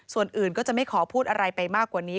ส่วนอื่นก็จะไม่ขอพูดอะไรไปมากกว่านี้